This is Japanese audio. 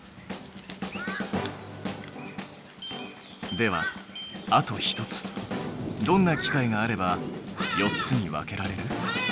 ではあと一つどんな機械があれば４つに分けられる？